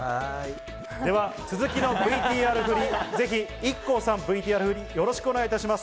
では続きのＶＴＲ振り、ぜひＩＫＫＯさん、ＶＴＲ振りよろしくお願いします。